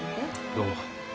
どうも。